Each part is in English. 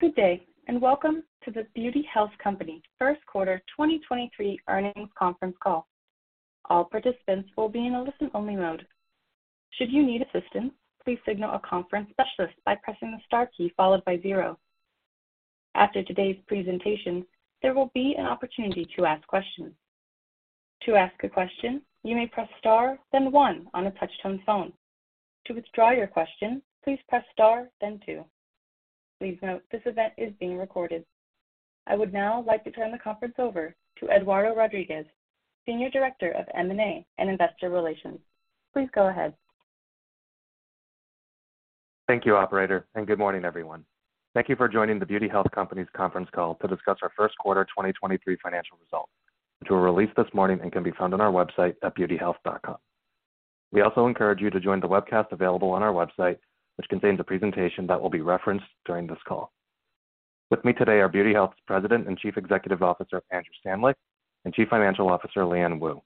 Good day, welcome to The Beauty Health Company first quarter 2023 earnings conference call. All participants will be in a listen-only mode. Should you need assistance, please signal a conference specialist by pressing the star key followed by zero. After today's presentation, there will be an opportunity to ask questions. To ask a question, you may press star, then one on a touch-tone phone. To withdraw your question, please press star, then two. Please note, this event is being recorded. I would now like to turn the conference over to Eduardo Rodriguez, Senior Director of M&A and Investor Relations. Please go ahead. Thank you, operator. Good morning, everyone. Thank you for joining The Beauty Health Company's conference call to discuss our first quarter 2023 financial results, which were released this morning and can be found on our website at beautyhealth.com. We also encourage you to join the webcast available on our website, which contains a presentation that will be referenced during this call. With me today are Beauty Health's President and Chief Executive Officer, Andrew Stanleick, and Chief Financial Officer, Liyuan Woo.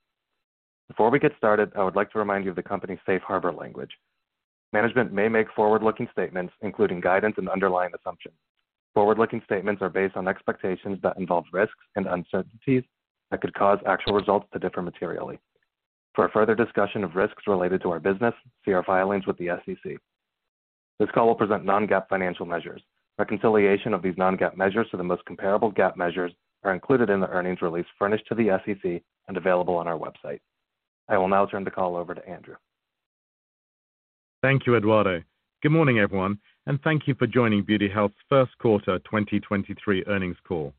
Before we get started, I would like to remind you of the company's Safe Harbor language. Management may make forward-looking statements including guidance and underlying assumptions. Forward-looking statements are based on expectations that involve risks and uncertainties that could cause actual results to differ materially. For a further discussion of risks related to our business, see our filings with the SEC. This call will present non-GAAP financial measures. Reconciliation of these non-GAAP measures to the most comparable GAAP measures are included in the earnings release furnished to the SEC and available on our website. I will now turn the call over to Andrew. Thank you, Eduardo. Good morning, everyone, thank you for joining Beauty Health's first quarter 2023 earnings call.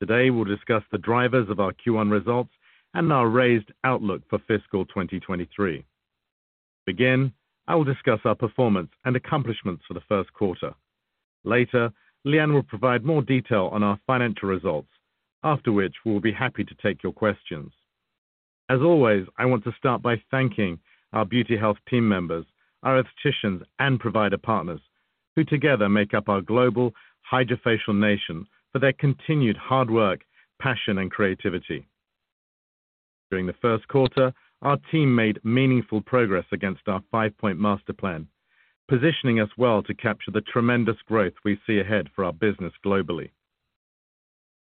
Today, we'll discuss the drivers of our Q1 results and our raised outlook for fiscal 2023. To begin, I will discuss our performance and accomplishments for the first quarter. Later, Liyuan will provide more detail on our financial results. After which, we will be happy to take your questions. As always, I want to start by thanking our Beauty Health team members, our aestheticians and provider partners, who together make up our global HydraFacial Nation for their continued hard work, passion and creativity. During the first quarter, our team made meaningful progress against our five-point master plan, positioning us well to capture the tremendous growth we see ahead for our business globally.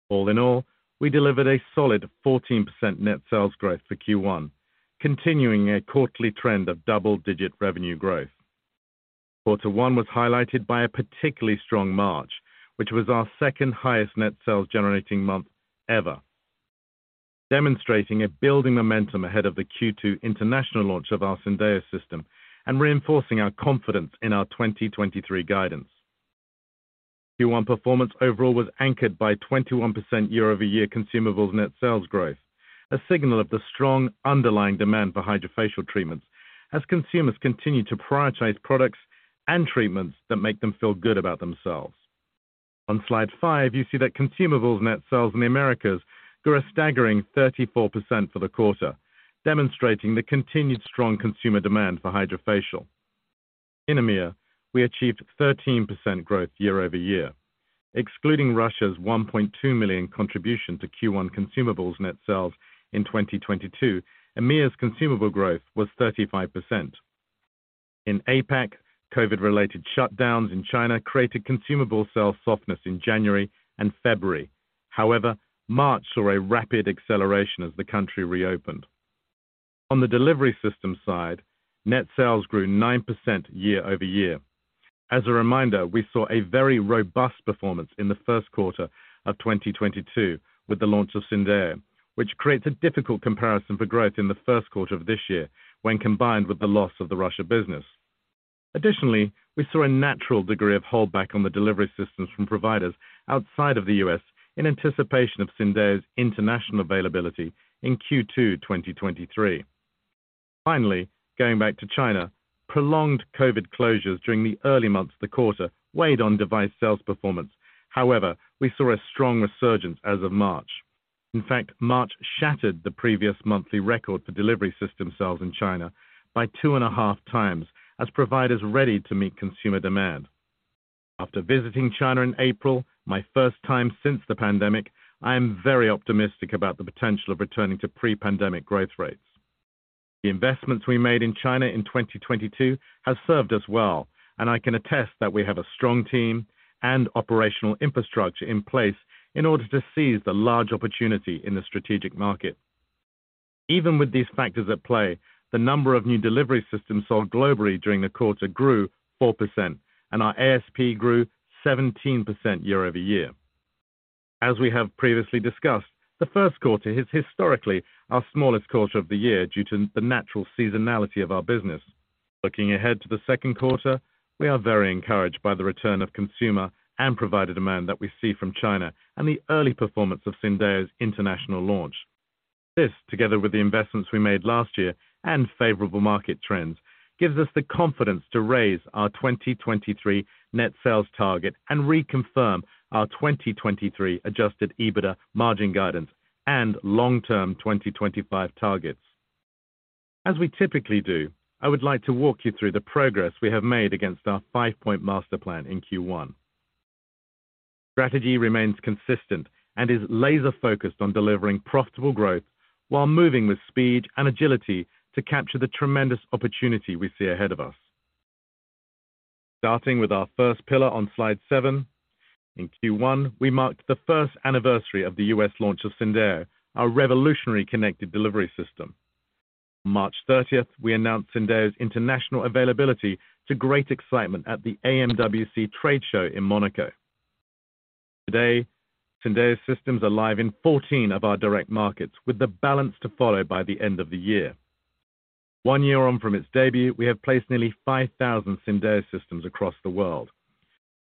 All in all, we delivered a solid 14% net sales growth for Q1, continuing a quarterly trend of double-digit revenue growth. Q1 was highlighted by a particularly strong March, which was our second highest net sales generating month ever. Demonstrating a building momentum ahead of the Q2 international launch of our Syndeo system and reinforcing our confidence in our 2023 guidance. Q1 performance overall was anchored by 21% year-over-year consumables net sales growth, a signal of the strong underlying demand for HydraFacial treatments as consumers continue to prioritize products and treatments that make them feel good about themselves. On slide five, you see that consumables net sales in the Americas grew a staggering 34% for the quarter, demonstrating the continued strong consumer demand for HydraFacial. In EMEA, we achieved 13% growth year-over-year. Excluding Russia's $1.2 million contribution to Q1 consumables net sales in 2022, EMEA's consumable growth was 35%. In APAC, COVID-related shutdowns in China created consumable sales softness in January and February. March saw a rapid acceleration as the country reopened. On the delivery system side, net sales grew 9% year-over-year. As a reminder, we saw a very robust performance in the first quarter of 2022 with the launch of Syndeo, which creates a difficult comparison for growth in the first quarter of this year when combined with the loss of the Russia business. We saw a natural degree of holdback on the delivery systems from providers outside of the U.S. in anticipation of Syndeo's international availability in Q2 2023. Going back to China, prolonged COVID closures during the early months of the quarter weighed on device sales performance. We saw a strong resurgence as of March. In fact, March shattered the previous monthly record for delivery system sales in China by 2.5x as providers readied to meet consumer demand. After visiting China in April, my first time since the pandemic, I am very optimistic about the potential of returning to pre-pandemic growth rates. The investments we made in China in 2022 have served us well, and I can attest that we have a strong team and operational infrastructure in place in order to seize the large opportunity in the strategic market. Even with these factors at play, the number of new delivery systems sold globally during the quarter grew 4%, and our ASP grew 17% year-over-year. As we have previously discussed, the first quarter is historically our smallest quarter of the year due to the natural seasonality of our business. Looking ahead to the second quarter, we are very encouraged by the return of consumer and provider demand that we see from China and the early performance of Syndeo's international launch. This, together with the investments we made last year and favorable market trends, gives us the confidence to raise our 2023 net sales target and reconfirm our 2023 adjusted EBITDA margin guidance and long-term 2025 targets. As we typically do, I would like to walk you through the progress we have made against our five-point master plan in Q1. Strategy remains consistent and is laser focused on delivering profitable growth while moving with speed and agility to capture the tremendous opportunity we see ahead of us. Starting with our first pillar on slide seven. In Q1, we marked the first anniversary of the U.S. launch of Syndeo, our revolutionary connected delivery system. March 30th, we announced Syndeo's international availability to great excitement at the AMWC trade show in Monaco. Today, Syndeo systems are live in 14 of our direct markets, with the balance to follow by the end of the year. One year on from its debut, we have placed nearly 5,000 Syndeo systems across the world.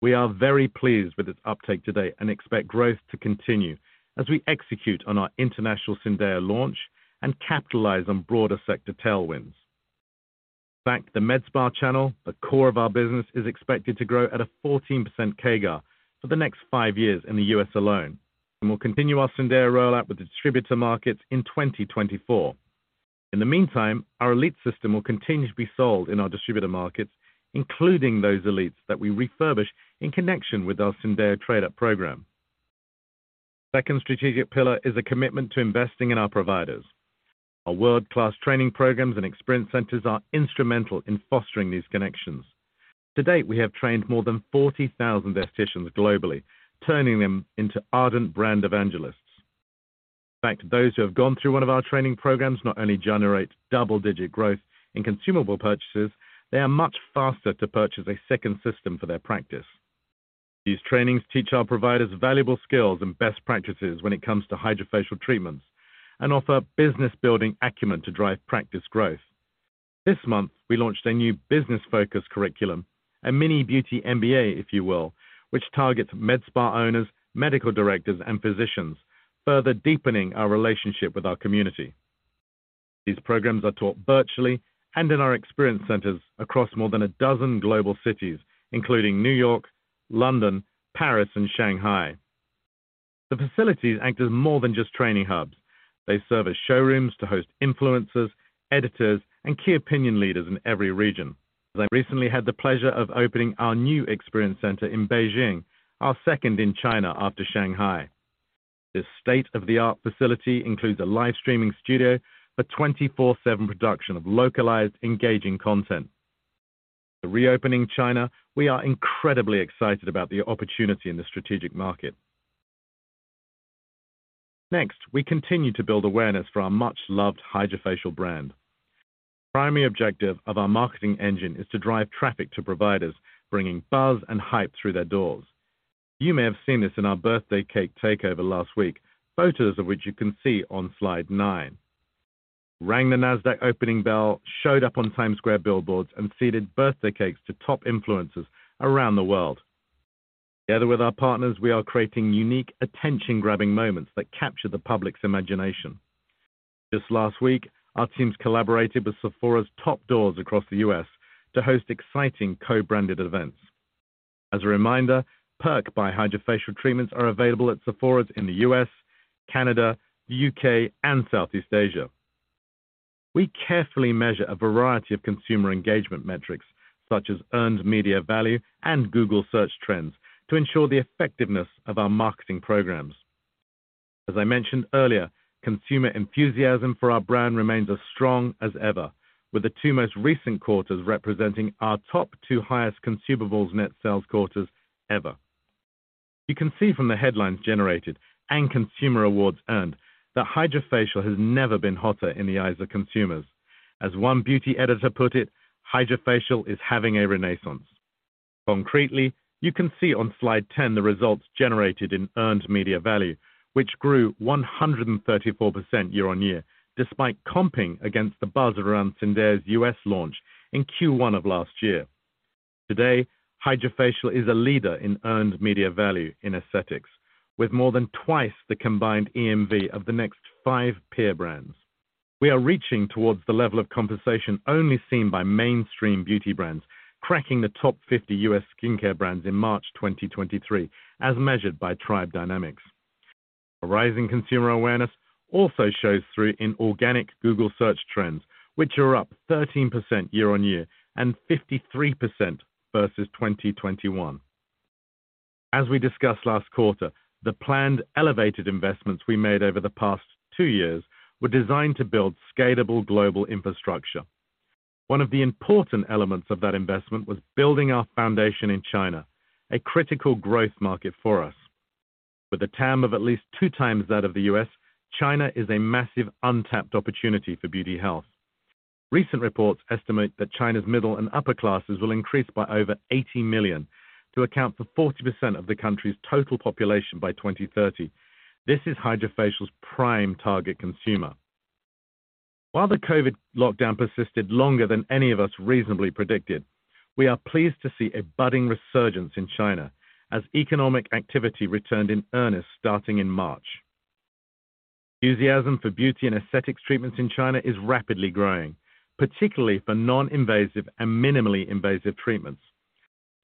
We are very pleased with its uptake today and expect growth to continue as we execute on our international Syndeo launch and capitalize on broader sector tailwinds. In fact, the MedSpa channel, the core of our business, is expected to grow at a 14% CAGR for the next five years in the U.S. alone. We'll continue our Syndeo rollout with the distributor markets in 2024. In the meantime, our Elite system will continue to be sold in our distributor markets, including those Elite that we refurbish in connection with our Syndeo trade-up program. Second strategic pillar is a commitment to investing in our providers. Our world-class training programs and experience centers are instrumental in fostering these connections. To date, we have trained more than 40,000 aestheticians globally, turning them into ardent brand evangelists. In fact, those who have gone through one of our training programs not only generate double-digit growth in consumable purchases, they are much faster to purchase a second system for their practice. These trainings teach our providers valuable skills and best practices when it comes to HydraFacial treatments and offer business building acumen to drive practice growth. This month, we launched a new business-focused curriculum, a mini beauty MBA, if you will, which targets MedSpa owners, medical directors, and physicians, further deepening our relationship with our community. These programs are taught virtually and in our experience centers across more than a dozen global cities, including New York, London, Paris, and Shanghai. The facilities act as more than just training hubs. They serve as showrooms to host influencers, editors, and key opinion leaders in every region. I recently had the pleasure of opening our new experience center in Beijing, our second in China after Shanghai. This state-of-the-art facility includes a live streaming studio for 24/7 production of localized, engaging content. Reopening China, we are incredibly excited about the opportunity in this strategic market. Next, we continue to build awareness for our much-loved HydraFacial brand. Primary objective of our marketing engine is to drive traffic to providers, bringing buzz and hype through their doors. You may have seen this in our birthday cake takeover last week, photos of which you can see on slide nine. Rang the Nasdaq opening bell, showed up on Times Square billboards, and seeded birthday cakes to top influencers around the world. Together with our partners, we are creating unique, attention-grabbing moments that capture the public's imagination. Just last week, our teams collaborated with Sephora's top doors across the U.S. to host exciting co-branded events. As a reminder, Perk by HydraFacial treatments are available at Sephoras in the U.S., Canada, U.K., and Southeast Asia. We carefully measure a variety of consumer engagement metrics, such as earned media value and Google Search Trends, to ensure the effectiveness of our marketing programs. As I mentioned earlier, consumer enthusiasm for our brand remains as strong as ever, with the two most recent quarters representing our top two highest consumables net sales quarters ever. You can see from the headlines generated and consumer awards earned that HydraFacial has never been hotter in the eyes of consumers. As one beauty editor put it, "HydraFacial is having a renaissance." Concretely, you can see on slide 10 the results generated in earned media value, which grew 134% year-on-year, despite comping against the buzz around Syndeo's U.S. launch in Q1 of last year. Today, HydraFacial is a leader in earned media value in aesthetics, with more than twice the combined EMV of the next five peer brands. We are reaching towards the level of compensation only seen by mainstream beauty brands, cracking the top 50 U.S. skincare brands in March 2023, as measured by Tribe Dynamics. Rising consumer awareness also shows through in organic Google Search Trends, which are up 13% year-on-year and 53% versus 2021. As we discussed last quarter, the planned elevated investments we made over the past two years were designed to build scalable global infrastructure. One of the important elements of that investment was building our foundation in China, a critical growth market for us. With a TAM of at least 2x that of the U.S., China is a massive untapped opportunity for Beauty Health. Recent reports estimate that China's middle and upper classes will increase by over 80 million to account for 40% of the country's total population by 2030. This is HydraFacial's prime target consumer. While the COVID lockdown persisted longer than any of us reasonably predicted, we are pleased to see a budding resurgence in China as economic activity returned in earnest starting in March. Enthusiasm for beauty and aesthetics treatments in China is rapidly growing, particularly for non-invasive and minimally invasive treatments.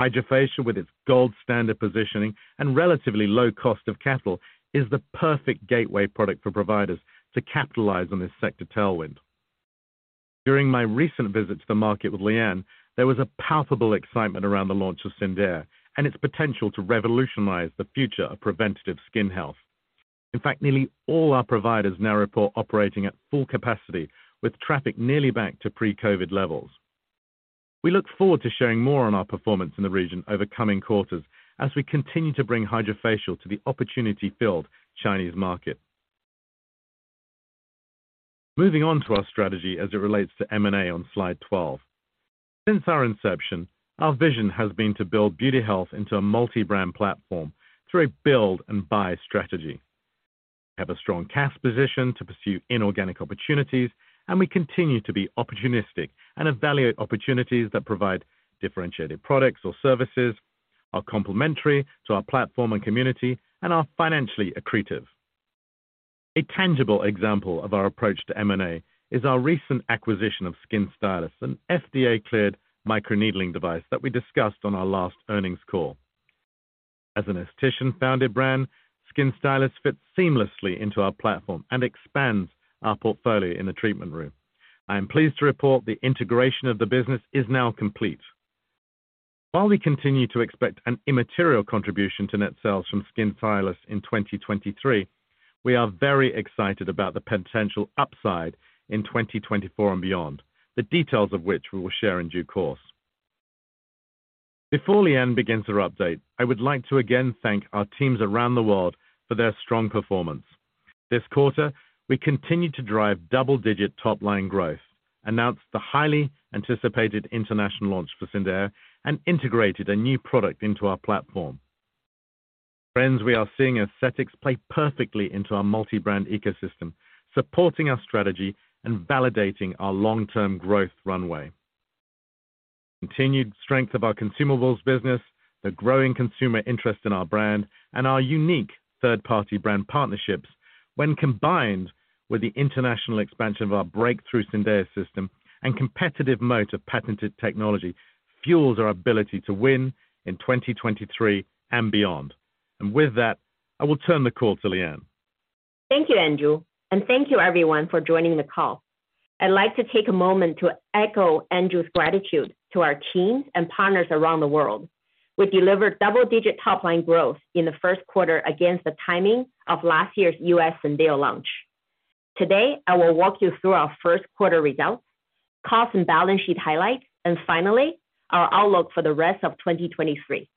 HydraFacial, with its gold standard positioning and relatively low cost of capital, is the perfect gateway product for providers to capitalize on this sector tailwind. During my recent visit to the market with Liyuan, there was a palpable excitement around the launch of Syndeo and its potential to revolutionize the future of preventative skin health. In fact, nearly all our providers now report operating at full capacity, with traffic nearly back to pre-COVID levels. We look forward to sharing more on our performance in the region over coming quarters as we continue to bring HydraFacial to the opportunity-filled Chinese market. Moving on to our strategy as it relates to M&A on Slide 12. Since our inception, our vision has been to build Beauty Health into a multi-brand platform through a build-and-buy strategy. We have a strong cash position to pursue inorganic opportunities, and we continue to be opportunistic and evaluate opportunities that provide differentiated products or services, are complementary to our platform and community, and are financially accretive. A tangible example of our approach to M&A is our recent acquisition of SkinStylus, an FDA-cleared microneedling device that we discussed on our last earnings call. As an esthetician-founded brand, SkinStylus fits seamlessly into our platform and expands our portfolio in the treatment room. I am pleased to report the integration of the business is now complete. While we continue to expect an immaterial contribution to net sales from SkinStylus in 2023, we are very excited about the potential upside in 2024 and beyond, the details of which we will share in due course. Before Liyuan begins her update, I would like to again thank our teams around the world for their strong performance. This quarter, we continued to drive double-digit top-line growth, announced the highly anticipated international launch for Syndeo, and integrated a new product into our platform. Friends, we are seeing aesthetics play perfectly into our multi-brand ecosystem, supporting our strategy and validating our long-term growth runway. Continued strength of our consumables business, the growing consumer interest in our brand, and our unique third-party brand partnerships when combined with the international expansion of our breakthrough Syndeo system and competitive mode of patented technology, fuels our ability to win in 2023 and beyond. With that, I will turn the call to Liyuan. Thank you, Andrew. Thank you everyone for joining the call. I'd like to take a moment to echo Andrew's gratitude to our teams and partners around the world. We delivered double-digit top-line growth in the first quarter against the timing of last year's U.S. Syndeo launch. Today, I will walk you through our first quarter results, cost and balance sheet highlights, and finally, our outlook for the rest of 2023.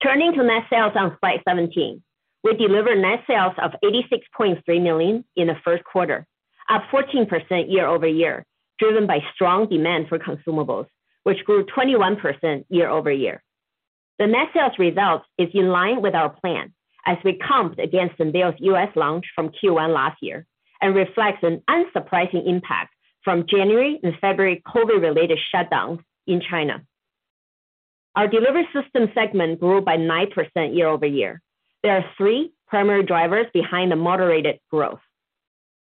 Turning to net sales on slide 17. We delivered net sales of $86.3 million in the first quarter, up 14% year-over-year, driven by strong demand for consumables, which grew 21% year-over-year. The net sales result is in line with our plan as we comped against Syndeo's U.S. launch from Q1 last year and reflects an unsurprising impact from January and February COVID-related shutdowns in China. Our delivery system segment grew by 9% year-over-year. There are three primary drivers behind the moderated growth.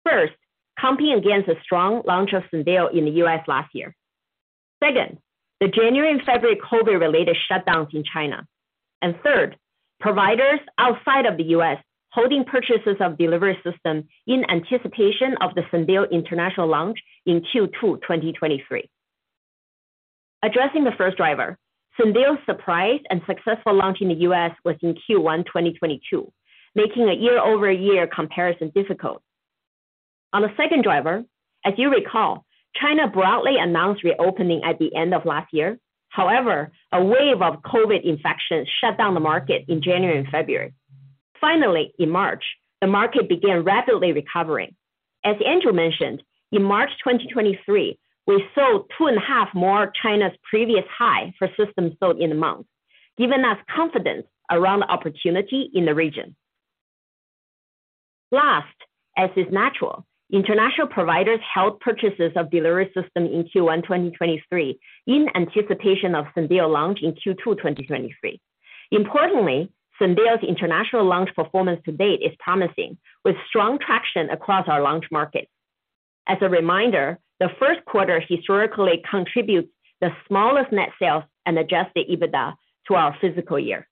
First, comping against the strong launch of Syndeo in the U.S. last year. Second, the January and February COVID-related shutdowns in China. Third, providers outside of the U.S. holding purchases of delivery system in anticipation of the Syndeo international launch in Q2 2023. Addressing the first driver, Syndeo's surprise and successful launch in the U.S. was in Q1 2022, making a year-over-year comparison difficult. On the second driver, as you recall, China broadly announced reopening at the end of last year. However, a wave of COVID infections shut down the market in January and February. Finally, in March, the market began rapidly recovering. As Andrew mentioned, in March 2023, we sold 2.5 more China's previous high for systems sold in the month, giving us confidence around the opportunity in the region. Last, as is natural, international providers held purchases of delivery system in Q1 2023 in anticipation of Syndeo launch in Q2 2023. Importantly, Syndeo's international launch performance to date is promising, with strong traction across our launch markets. As a reminder, the first quarter historically contributes the smallest net sales and adjusted EBITDA to our fiscal year.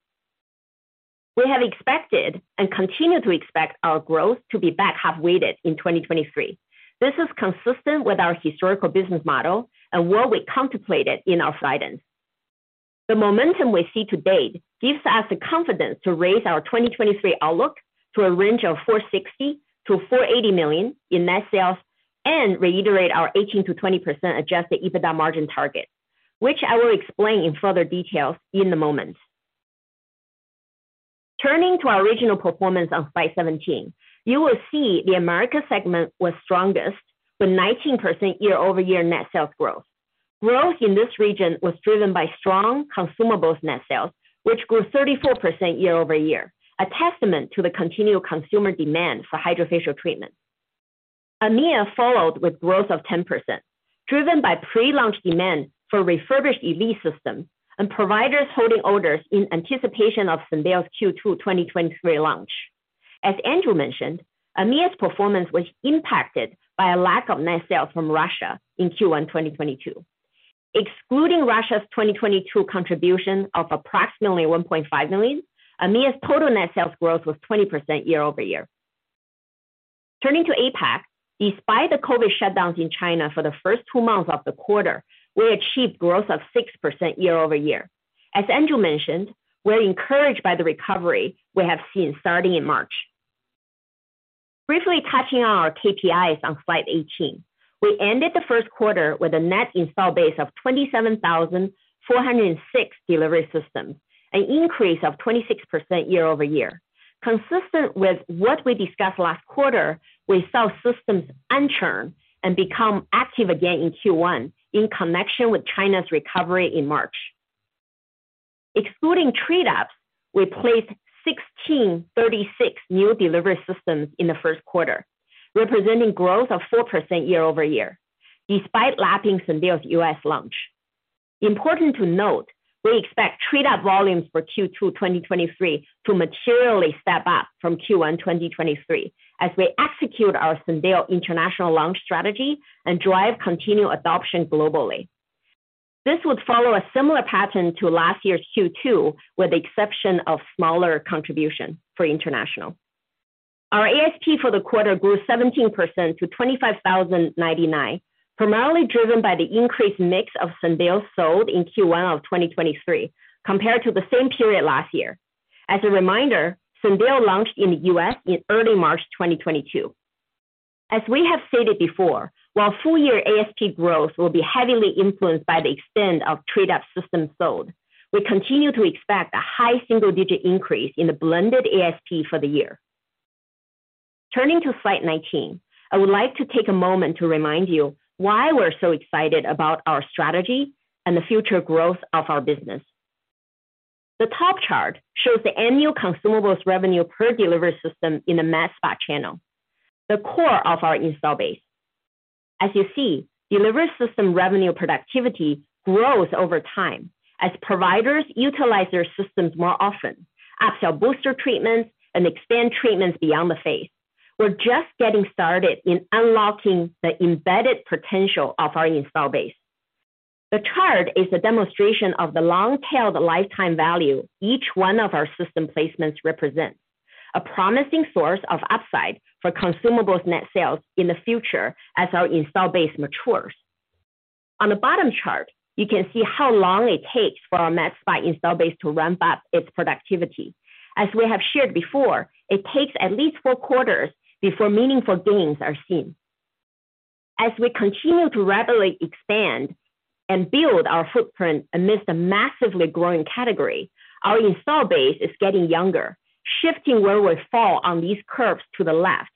We have expected and continue to expect our growth to be back half-weighted in 2023. This is consistent with our historical business model and what we contemplated in our guidance. The momentum we see to date gives us the confidence to raise our 2023 outlook to a range of $460 million-$480 million in net sales and reiterate our 18%-20% adjusted EBITDA margin target, which I will explain in further details in a moment. Turning to our regional performance on slide 17. You will see the America segment was strongest with 19% year-over-year net sales growth. Growth in this region was driven by strong consumables net sales, which grew 34% year-over-year, a testament to the continued consumer demand for HydraFacial treatment. EMEA followed with growth of 10%, driven by pre-launch demand for refurbished Elite system and providers holding orders in anticipation of Syndeo's Q2 2023 launch. As Andrew mentioned, EMEA's performance was impacted by a lack of net sales from Russia in Q1 2022. Excluding Russia's 2022 contribution of approximately $1.5 million, EMEA's total net sales growth was 20% year-over-year. Turning to APAC, despite the COVID shutdowns in China for the first two months of the quarter, we achieved growth of 6% year-over-year. As Andrew mentioned, we're encouraged by the recovery we have seen starting in March. Briefly touching on our KPIs on slide 18. We ended the first quarter with a net install base of 27,406 delivery systems, an increase of 26% year-over-year. Consistent with what we discussed last quarter, we saw systems unchurn and become active again in Q1 in connection with China's recovery in March. Excluding trade-ups, we placed 1,636 new delivery systems in the first quarter, representing growth of 4% year-over-year, despite lapping Syndeo's U.S. launch. Important to note, we expect trade-up volumes for Q2 2023 to materially step up from Q1 2023 as we execute our Syndeo international launch strategy and drive continued adoption globally. This would follow a similar pattern to last year's Q2, with the exception of smaller contribution for international. Our ASP for the quarter grew 17% to $25,099, primarily driven by the increased mix of Syndeo sold in Q1 of 2023 compared to the same period last year. As a reminder, Syndeo launched in the U.S. in early March 2022. As we have stated before, while full year ASP growth will be heavily influenced by the extent of trade-up systems sold, we continue to expect a high single-digit increase in the blended ASP for the year. Turning to slide 19. I would like to take a moment to remind you why we're so excited about our strategy and the future growth of our business. The top chart shows the annual consumables revenue per delivery system in the MedSpa channel, the core of our install base. As you see, delivery system revenue productivity grows over time as providers utilize their systems more often, upsell booster treatments, and expand treatments beyond the face. We're just getting started in unlocking the embedded potential of our install base. The chart is a demonstration of the long-tailed lifetime value each one of our system placements represents, a promising source of upside for consumables net sales in the future as our install base matures. On the bottom chart, you can see how long it takes for our MedSpa install base to ramp up its productivity. As we have shared before, it takes at least four quarters before meaningful gains are seen. As we continue to rapidly expand and build our footprint amidst a massively growing category, our install base is getting younger, shifting where we fall on these curves to the left.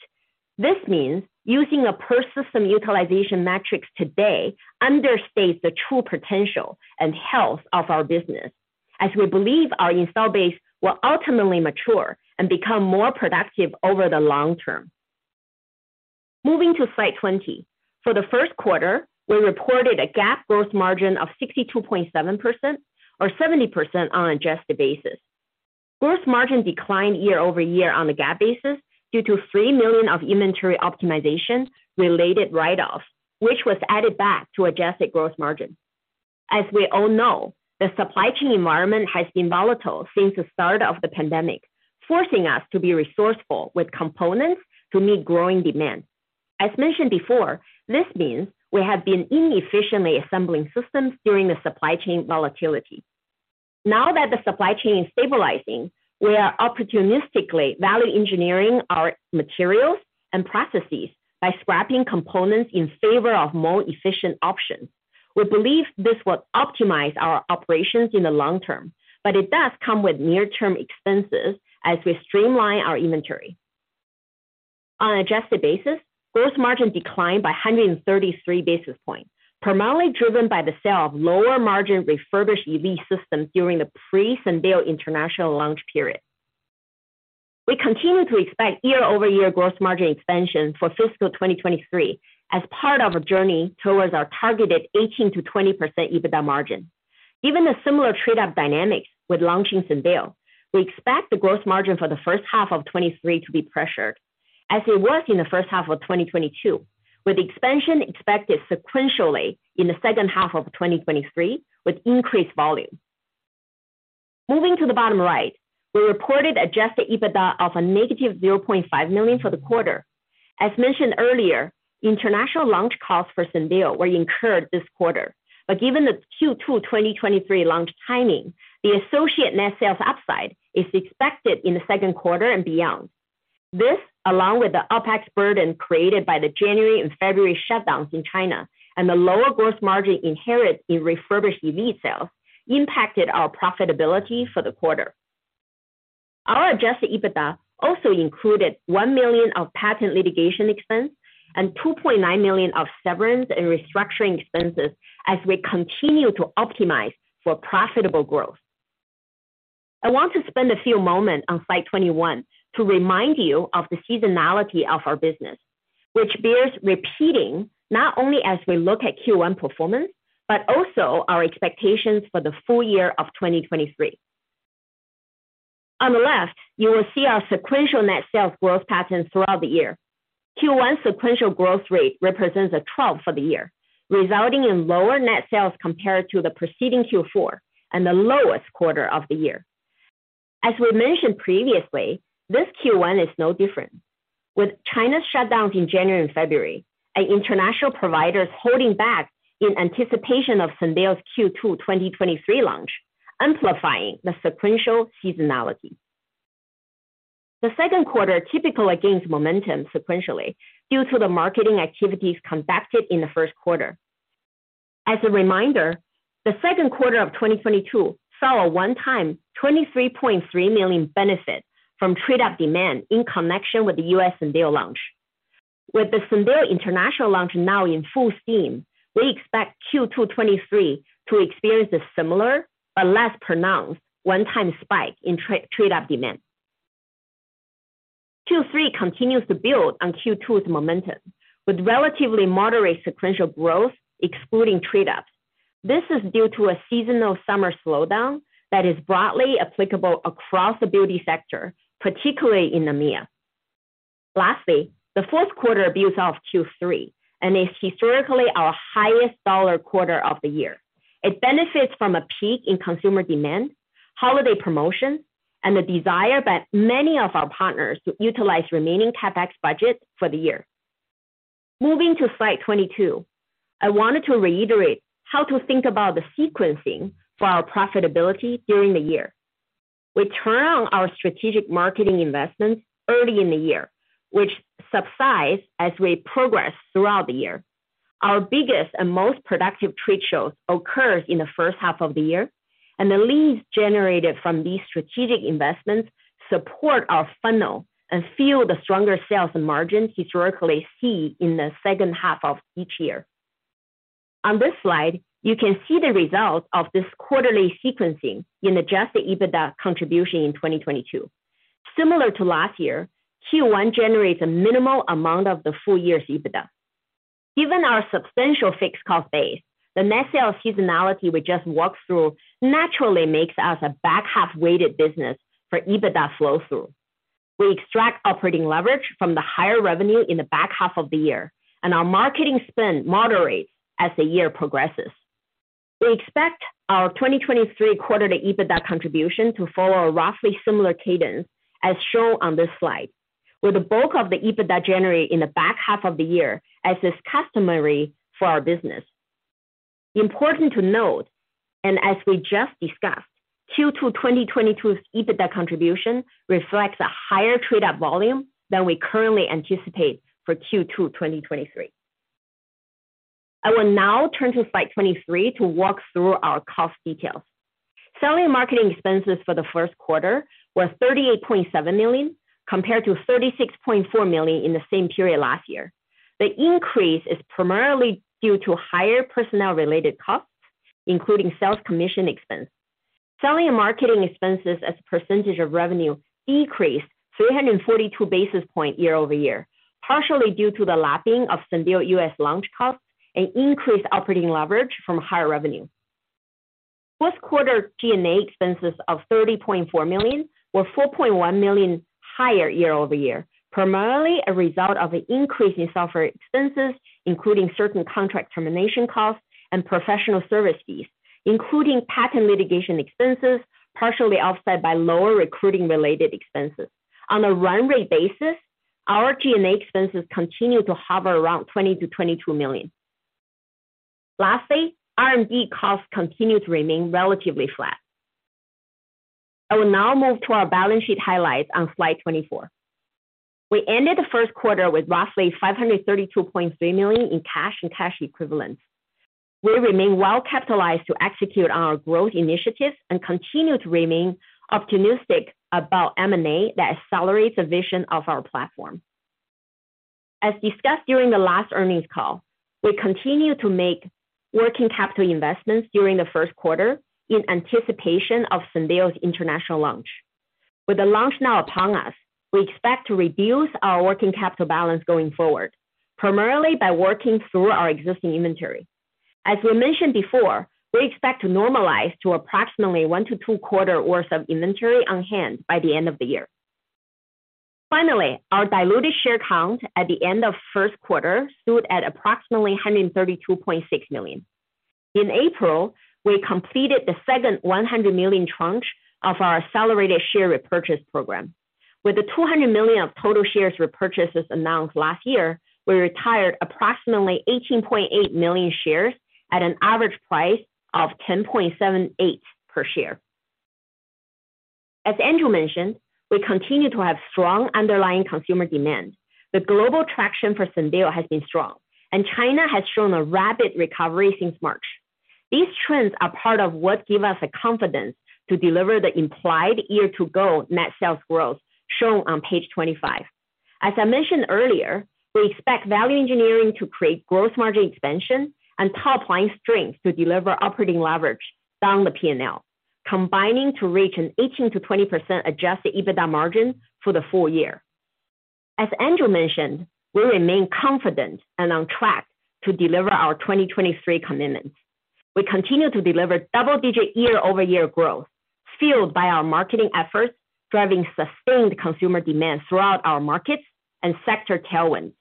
This means using a per system utilization metrics today understates the true potential and health of our business, as we believe our install base will ultimately mature and become more productive over the long term. Moving to slide 20. For the first quarter, we reported a GAAP gross margin of 62.7% or 70% on adjusted basis. Gross margin declined year-over-year on the GAAP basis due to $3 million of inventory optimization related write-off, which was added back to adjusted gross margin. As we all know, the supply chain environment has been volatile since the start of the pandemic, forcing us to be resourceful with components to meet growing demand. As mentioned before, this means we have been inefficiently assembling systems during the supply chain volatility. Now that the supply chain is stabilizing, we are opportunistically value engineering our materials and processes by scrapping components in favor of more efficient options. We believe this will optimize our operations in the long term, but it does come with near-term expenses as we streamline our inventory. On adjusted basis, gross margin declined by 133 basis points, primarily driven by the sale of lower margin refurbished Elite systems during the pre-Syndeo international launch period. We continue to expect year-over-year gross margin expansion for fiscal 2023 as part of a journey towards our targeted 18%-20% EBITDA margin. Given the similar trade-up dynamics with launching Syndeo, we expect the gross margin for the first half of 2023 to be pressured, as it was in the first half of 2022, with expansion expected sequentially in the second half of 2023 with increased volume. Moving to the bottom right, we reported adjusted EBITDA of -$0.5 million for the quarter. As mentioned earlier, international launch costs for Syndeo were incurred this quarter. Given the Q2 2023 launch timing, the associate net sales upside is expected in the second quarter and beyond. This, along with the OpEx burden created by the January and February shutdowns in China and the lower gross margin inherent in refurbished Elite sales, impacted our profitability for the quarter. Our adjusted EBITDA also included $1 million of patent litigation expense and $2.9 million of severance and restructuring expenses as we continue to optimize for profitable growth. I want to spend a few moment on slide 21 to remind you of the seasonality of our business, which bears repeating not only as we look at Q1 performance, but also our expectations for the full year of 2023. On the left, you will see our sequential net sales growth pattern throughout the year. Q1 sequential growth rate represents a trough for the year, resulting in lower net sales compared to the preceding Q4 and the lowest quarter of the year. As we mentioned previously, this Q1 is no different. With China's shutdowns in January and February and international providers holding back in anticipation of Syndeo's Q2 2023 launch, amplifying the sequential seasonality. The second quarter typically gains momentum sequentially due to the marketing activities conducted in the first quarter. As a reminder, the second quarter of 2022 saw a one-time $23.3 million benefit from trade-up demand in connection with the U.S. Syndeo launch. With the Syndeo international launch now in full steam, we expect Q2 2023 to experience a similar but less pronounced one-time spike in trade-up demand. Q3 continues to build on Q2's momentum with relatively moderate sequential growth excluding trade-ups. This is due to a seasonal summer slowdown that is broadly applicable across the beauty sector, particularly in EMEA. Lastly, the fourth quarter builds off Q3 and is historically our highest dollar quarter of the year. It benefits from a peak in consumer demand, holiday promotions, and the desire by many of our partners to utilize remaining CapEx budget for the year. Moving to slide 22, I wanted to reiterate how to think about the sequencing for our profitability during the year. We turn on our strategic marketing investments early in the year, which subsides as we progress throughout the year. Our biggest and most productive trade shows occurs in the first half of the year, and the leads generated from these strategic investments support our funnel and fuel the stronger sales and margin historically seen in the second half of each year. On this slide, you can see the results of this quarterly sequencing in adjusted EBITDA contribution in 2022. Similar to last year, Q1 generates a minimal amount of the full year's EBITDA. Given our substantial fixed cost base, the net sales seasonality we just walked through naturally makes us a back-half-weighted business for EBITDA flow-through. We extract operating leverage from the higher revenue in the back half of the year, our marketing spend moderates as the year progresses. We expect our 2023 quarter to EBITDA contribution to follow a roughly similar cadence as shown on this slide, with the bulk of the EBITDA generated in the back half of the year as is customary for our business. Important to note, as we just discussed, Q2 2022's EBITDA contribution reflects a higher trade-up volume than we currently anticipate for Q2 2023. I will now turn to slide 23 to walk through our cost details. Selling and marketing expenses for the first quarter were $38.7 million, compared to $36.4 million in the same period last year. The increase is primarily due to higher personnel-related costs, including sales commission expense. Selling and marketing expenses as a percentage of revenue decreased 342 basis points year-over-year, partially due to the lapping of Syndeo U.S. launch costs and increased operating leverage from higher revenue. First quarter G&A expenses of $30.4 million were $4.1 million higher year-over-year, primarily a result of an increase in software expenses, including certain contract termination costs and professional service fees, including patent litigation expenses, partially offset by lower recruiting-related expenses. On a run rate basis, our G&A expenses continue to hover around $20 million-$22 million. Lastly, R&D costs continue to remain relatively flat. I will now move to our balance sheet highlights on slide 24. We ended the first quarter with roughly $532.3 million in cash and cash equivalents. We remain well-capitalized to execute on our growth initiatives and continue to remain optimistic about M&A that accelerates the vision of our platform. As discussed during the last earnings call, we continue to make working capital investments during the first quarter in anticipation of Syndeo's international launch. With the launch now upon us, we expect to reduce our working capital balance going forward, primarily by working through our existing inventory. As we mentioned before, we expect to normalize to approximately one- to two-quarter worth of inventory on hand by the end of the year. Finally, our diluted share count at the end of first quarter stood at approximately 132.6 million. In April, we completed the second $100 million tranche of our accelerated share repurchase program. With the $200 million of total shares repurchases announced last year, we retired approximately 18.8 million shares at an average price of $10.78 per share. As Andrew mentioned, we continue to have strong underlying consumer demand. The global traction for Syndeo has been strong. China has shown a rapid recovery since March. These trends are part of what give us the confidence to deliver the implied year-to-go net sales growth shown on page 25. As I mentioned earlier, we expect value engineering to create gross margin expansion and top-line strength to deliver operating leverage down the P&L, combining to reach an 18%-20% adjusted EBITDA margin for the full year. As Andrew mentioned, we remain confident and on track to deliver our 2023 commitments. We continue to deliver double-digit year-over-year growth fueled by our marketing efforts, driving sustained consumer demand throughout our markets and sector tailwinds.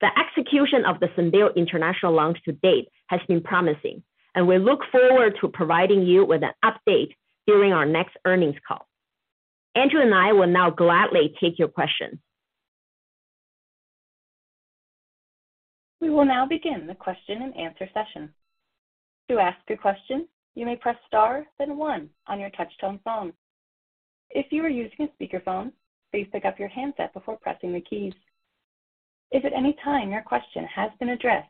The execution of the Syndeo international launch to date has been promising, and we look forward to providing you with an update during our next earnings call. Andrew and I will now gladly take your questions. We will now begin the question and answer session. To ask a question, you may press star then one on your touch-tone phone. If you are using a speakerphone, please pick up your handset before pressing the keys. If at any time your question has been addressed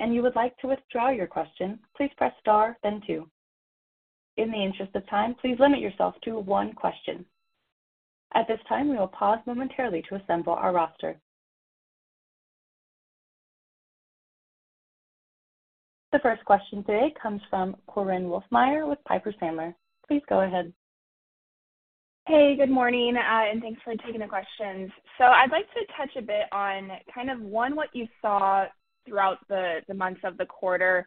and you would like to withdraw your question, please press star then two. In the interest of time, please limit yourself to one question. At this time, we will pause momentarily to assemble our roster. The first question today comes from Korinne Wolfmeyer with Piper Sandler. Please go ahead. Hey, good morning, and thanks for taking the questions. I'd like to touch a bit on kind of, one, what you saw throughout the months of the quarter.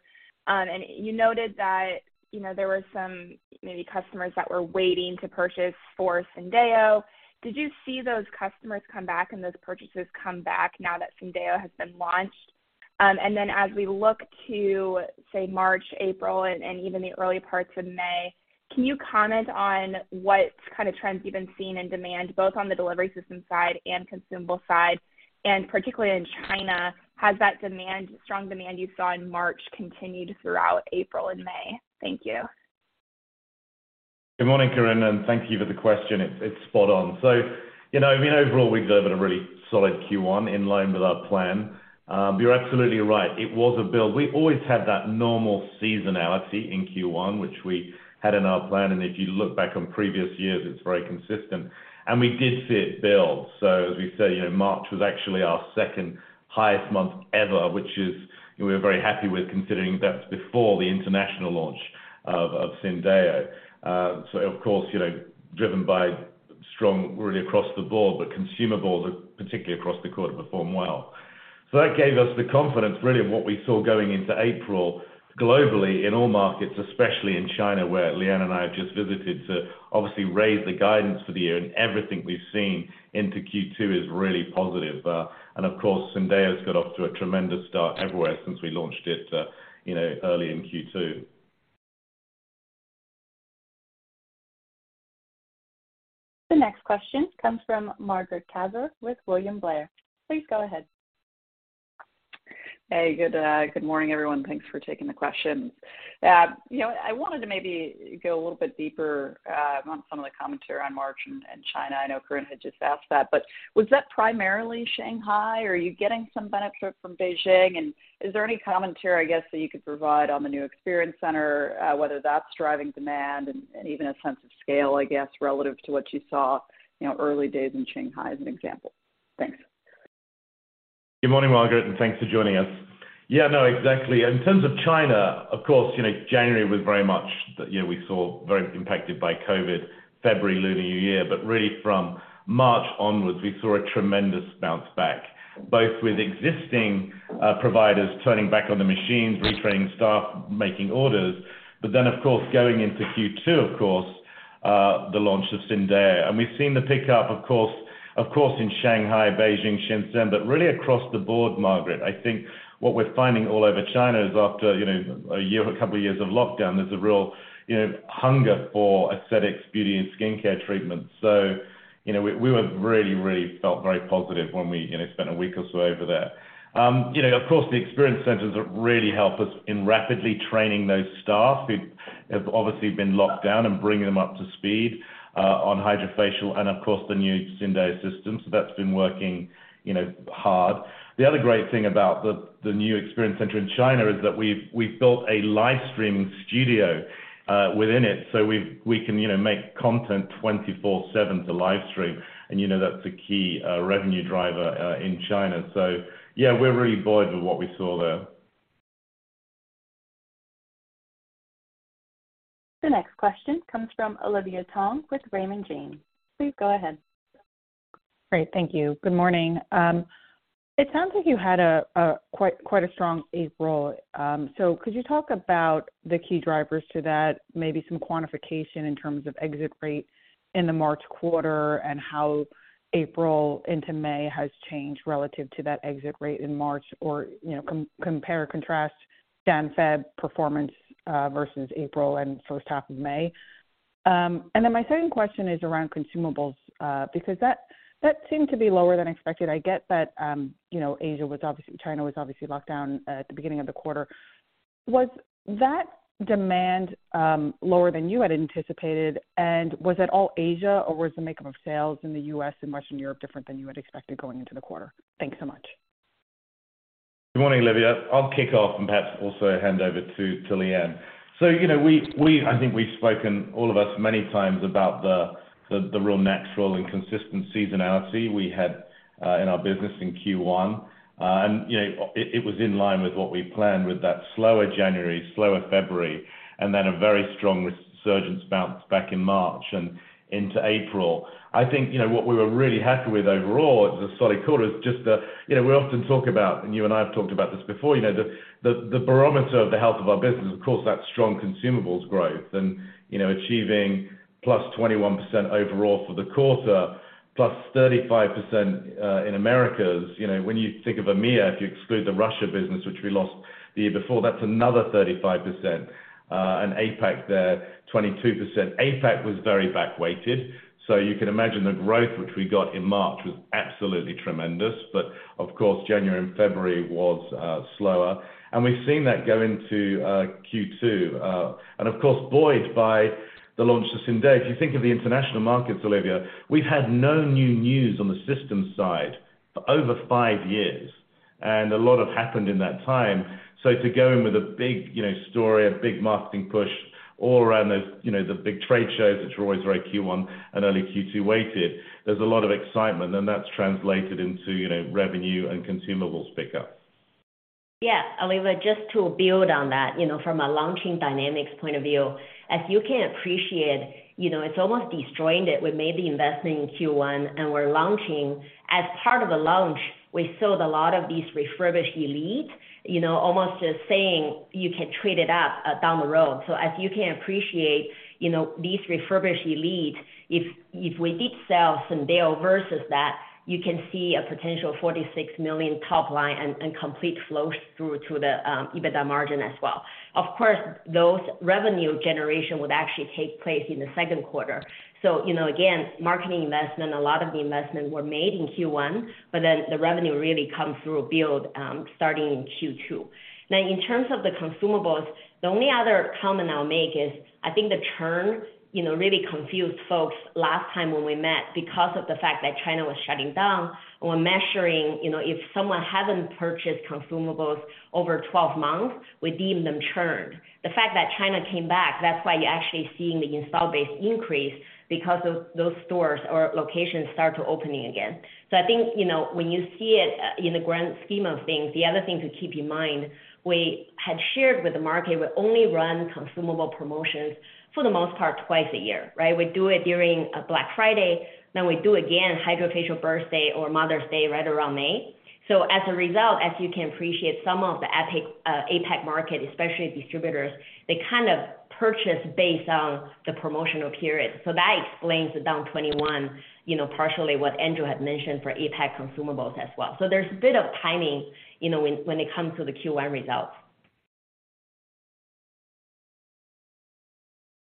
You noted that, you know, there were some maybe customers that were waiting to purchase for Syndeo. Did you see those customers come back and those purchases come back now that Syndeo has been launched? As we look to, say, March, April, and even the early parts of May, can you comment on what kind of trends you've been seeing in demand, both on the delivery system side and consumable side? Particularly in China, has that demand, strong demand you saw in March continued throughout April and May? Thank you. Good morning, Korinne, thank you for the question. It's spot on. You know, I mean overall, we delivered a really solid Q1 in line with our plan. You're absolutely right. It was a build. We always had that normal seasonality in Q1, which we had in our plan. If you look back on previous years, it's very consistent. We did see it build. As we say, you know, March was actually our second highest month ever, which is, you know, we're very happy with considering that's before the international launch of Syndeo. Of course, you know, driven by strong really across the board, but consumables are particularly across the quarter performed well. That gave us the confidence really of what we saw going into April globally in all markets, especially in China, where Liyuan and I have just visited to obviously raise the guidance for the year. Everything we've seen into Q2 is really positive. Of course, Syndeo's got off to a tremendous start everywhere since we launched it, you know, early in Q2. The next question comes from Margaret Kaczor with William Blair. Please go ahead. Hey, good morning, everyone. Thanks for taking the questions. You know, I wanted to maybe go a little bit deeper on some of the commentary on March and China. I know Korinne had just asked that, but was that primarily Shanghai? Are you getting some benefit from Beijing? Is there any commentary, I guess, that you could provide on the new experience center, whether that's driving demand and even a sense of scale, I guess, relative to what you saw, you know, early days in Shanghai as an example? Thanks. Good morning, Margaret, and thanks for joining us. Yeah, no, exactly. In terms of China, of course, you know, January was very much the year we saw very impacted by COVID, February Lunar New Year. Really from March onwards, we saw a tremendous bounce back, both with existing providers turning back on the machines, retraining staff, making orders. Then of course, going into Q2, the launch of Syndeo. We've seen the pickup, of course, in Shanghai, Beijing, Shenzhen, but really across the board, Margaret. I think what we're finding all over China is after, you know, a year or a couple of years of lockdown, there's a real, you know, hunger for aesthetics, beauty, and skincare treatment. You know, we were really felt very positive when we, you know, spent a week or so over there. You know, of course, the experience centers have really helped us in rapidly training those staff who have obviously been locked down and bringing them up to speed, on HydraFacial and of course the new Syndeo system. That's been working, you know, hard. The other great thing about the new experience center in China is that we've built a live stream studio within it, so we can, you know, make content 24/7 to live stream. You know, that's a key revenue driver in China. Yeah, we're really buoyed with what we saw there. The next question comes from Olivia Tong with Raymond James. Please go ahead. Great. Thank you. Good morning. It sounds like you had quite a strong April. Could you talk about the key drivers to that, maybe some quantification in terms of exit rate in the March quarter and how April into May has changed relative to that exit rate in March or, you know, compare, contrast January, February performance versus April and first half of May? My second question is around consumables because that seemed to be lower than expected. I get that, you know, China was obviously locked down at the beginning of the quarter. Was that demand lower than you had anticipated? Was it all Asia or was the makeup of sales in the U.S. and Western Europe different than you had expected going into the quarter? Thanks so much. Good morning, Olivia. I'll kick off and perhaps also hand over to Liyuan. You know, we I think we've spoken all of us many times about the real natural and consistent seasonality we had in our business in Q1. You know, it was in line with what we planned with that slower January, slower February, and then a very strong resurgence bounce back in March and into April. I think, you know, what we were really happy with overall as a solid quarter is just, you know, we often talk about, and you and I have talked about this before, you know, the barometer of the health of our business, of course, that strong consumables growth and, you know, achieving +21% overall for the quarter. +35% in Americas. You know, when you think of EMEA, if you exclude the Russia business, which we lost the year before, that's another 35%. APAC there, 22%. APAC was very back-weighted, so you can imagine the growth which we got in March was absolutely tremendous. Of course, January and February was slower. We've seen that go into Q2. Of course, buoyed by the launch of Syndeo. If you think of the international markets, Olivia, we've had no new news on the systems side for over five years, and a lot has happened in that time. To go in with a big, you know, story and big marketing push all around those, you know, the big trade shows, which are always very Q1 and early Q2-weighted, there's a lot of excitement, and that's translated into, you know, revenue and consumables pickup. Yeah, Olivia, just to build on that, you know, from a launching dynamics point of view, as you can appreciate, you know, it's almost these joint that we may be investing in Q1, and we're launching. As part of the launch, we sold a lot of these refurbished Elite, you know, almost just saying you can trade it up down the road. As you can appreciate, you know, these refurbished Elite, if we did sell Syndeo versus that, you can see a potential $46 million top line and complete flow through to the EBITDA margin as well. Of course, those revenue generation would actually take place in the second quarter. You know, again, marketing investment, a lot of the investment were made in Q1, but then the revenue really come through build starting in Q2. In terms of the consumables, the only other comment I'll make is I think the churn, you know, really confused folks last time when we met because of the fact that China was shutting down and we're measuring, you know, if someone hasn't purchased consumables over 12 months, we deem them churned. The fact that China came back, that's why you're actually seeing the install base increase because of those stores or locations start to opening again. I think, you know, when you see it in the grand scheme of things, the other thing to keep in mind, we had shared with the market, we only run consumable promotions for the most part twice a year. We do it during Black Friday, then we do again, HydraFacial Birthday or Mother's Day, right around May. As a result, as you can appreciate, some of the APAC market, especially distributors, they kind of purchase based on the promotional period. That explains the down 21%, you know, partially what Andrew had mentioned for APAC consumables as well. There's a bit of timing, you know, when it comes to the Q1 results.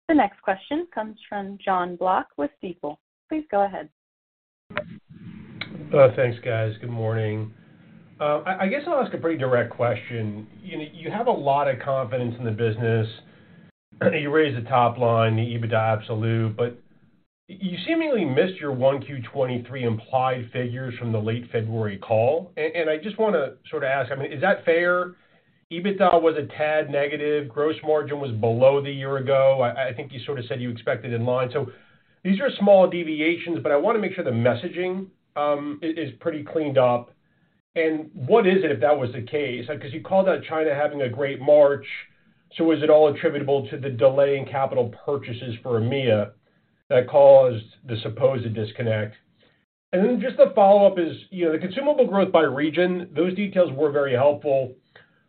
The next question comes from Jon Block with Stifel. Please go ahead. Thanks, guys. Good morning. I guess I'll ask a pretty direct question. You know, you have a lot of confidence in the business. You raised the top line, the EBITDA absolute, but you seemingly missed your 1Q 2023 implied figures from the late February call. I just wanna sort of ask, I mean, is that fair? EBITDA was a tad negative. Gross margin was below the year ago. I think you sorta said you expected in line. These are small deviations, but I wanna make sure the messaging is pretty cleaned up. What is it if that was the case? Because you called out China having a great March, is it all attributable to the delay in capital purchases for EMEA that caused the supposed disconnect? Just the follow-up is, you know, the consumable growth by region, those details were very helpful.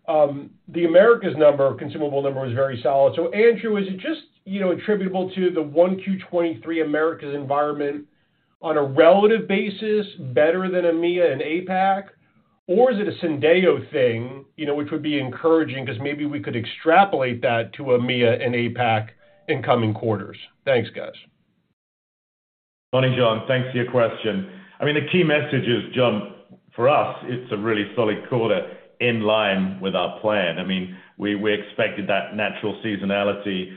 The Americas number, consumable number was very solid. Andrew, is it just, you know, attributable to the 1Q 2023 Americas environment on a relative basis better than EMEA and APAC? Or is it a Syndeo thing, you know, which would be encouraging 'cause maybe we could extrapolate that to EMEA and APAC in coming quarters? Thanks, guys. Morning, Jon. Thanks for your question. I mean, the key message is, Jon, for us, it's a really solid quarter in line with our plan. I mean, we expected that natural seasonality,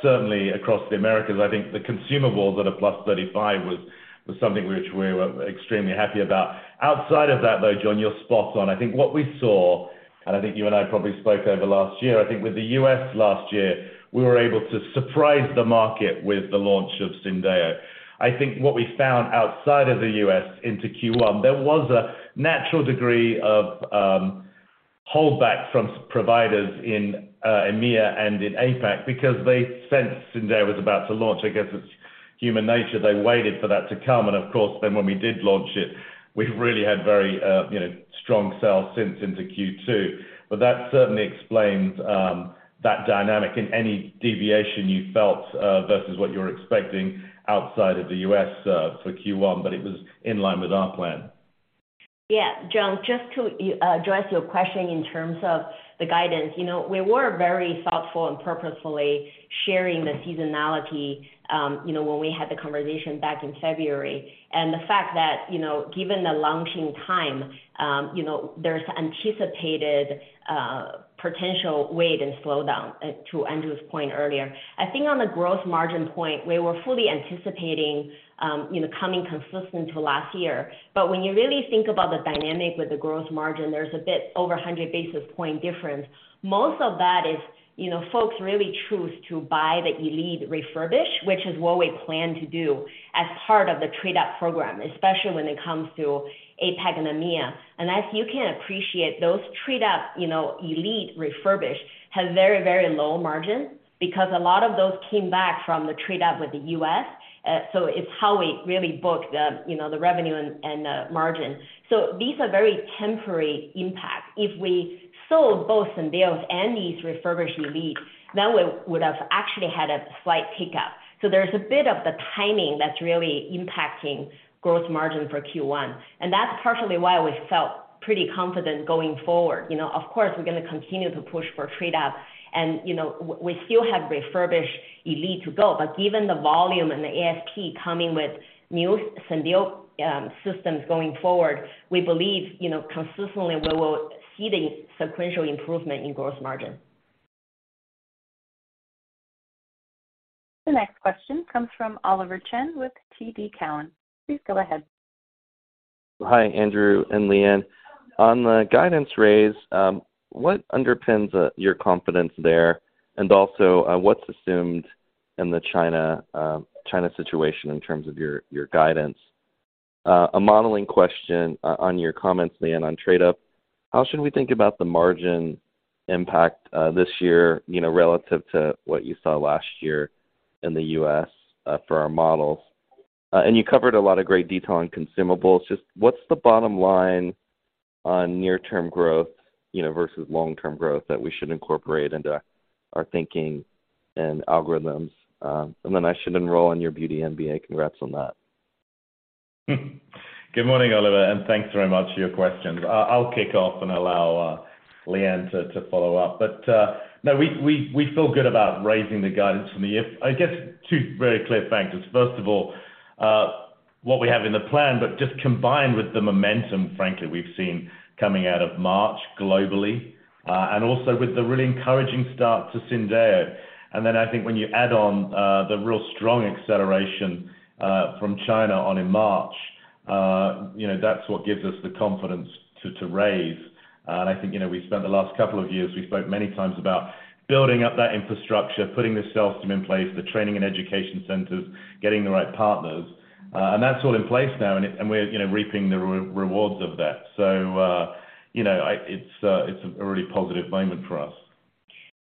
certainly across the Americas. I think the consumables at a +35% was something which we were extremely happy about. Outside of that, though, Jon, you're spot on. I think what we saw, and I think you and I probably spoke over last year, I think with the U.S. last year, we were able to surprise the market with the launch of Syndeo. I think what we found outside of the U.S. into Q1, there was a natural degree of holdback from providers in EMEA and in APAC because they sensed Syndeo was about to launch. I guess it's human nature. They waited for that to come, of course, then when we did launch it, we've really had very, you know, strong sales since into Q2. That certainly explains that dynamic in any deviation you felt versus what you were expecting outside of the U.S., for Q1, but it was in line with our plan. Yeah. Jon, just to address your question in terms of the guidance. You know, we were very thoughtful and purposefully sharing the seasonality, you know, when we had the conversation back in February. The fact that, you know, given the launching time, you know, there's anticipated potential weight and slowdown, to Andrew's point earlier. I think on the gross margin point, we were fully anticipating, you know, coming consistent to last year. When you really think about the dynamic with the gross margin, there's a bit over 100 basis point difference. Most of that is, you know, folks really choose to buy the Elite refurbished, which is what we plan to do as part of the trade-up program, especially when it comes to APAC and EMEA. As you can appreciate, those trade-up, you know, Elite refurbished have very, very low margins because a lot of those came back from the trade-up with the U.S. It's how we really book the, you know, the revenue and the margin. These are very temporary impacts. If we sold both Syndeos and these refurbished Elite, then we would have actually had a slight pickup. There's a bit of the timing that's really impacting gross margin for Q1, and that's partially why we felt pretty confident going forward. You know, of course, we're going to continue to push for trade-up and, you know, we still have refurbished Elite to go. Given the volume and the ASP coming with new Syndeo systems going forward, we believe, you know, consistently we will see the sequential improvement in gross margin. The next question comes from Oliver Chen with TD Cowen. Please go ahead. Hi, Andrew and Liyuan. On the guidance raise, what underpins your confidence there? Also, what's assumed in the China situation in terms of your guidance? A modeling question, on your comments, Liyuan, on trade up, how should we think about the margin impact this year, you know, relative to what you saw last year in the U.S., for our models? You covered a lot of great detail on consumables. Just what's the bottom line on near-term growth, you know, versus long-term growth that we should incorporate into our thinking and algorithms? Then I should enroll in your beauty MBA. Congrats on that. Good morning, Oliver, and thanks very much for your questions. I'll kick off and allow Liyuan to follow up. No, we feel good about raising the guidance for the year. I guess two very clear factors. First of all, what we have in the plan, but just combined with the momentum, frankly, we've seen coming out of March globally, and also with the really encouraging start to Syndeo. I think when you add on, the real strong acceleration, from China on in March, you know, that's what gives us the confidence to raise. I think, you know, we spent the last couple of years, we spoke many times about building up that infrastructure, putting the sales team in place, the training and education centers, getting the right partners. That's all in place now, and we're, you know, reaping the rewards of that. You know, it's a really positive moment for us.